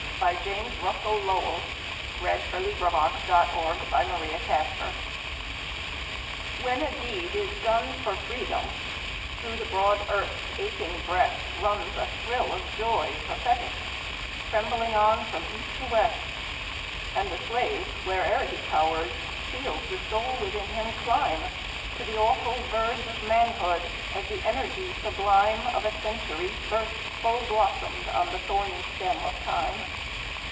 1909–14. James Russell Lowell 805. The Present Crisis WHEN a deed is done for Freedom, through the broad earth's aching breast Runs a thrill of joy prophetic, trembling on from east to west, And the slave, where'er he cowers, feels the soul within him climb To the awful verge of manhood, as the energy sublime Of a century bursts full blossomed on the thorny stem of Time.